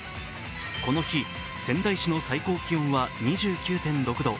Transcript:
この日、仙台市の最高気温は２９．６度。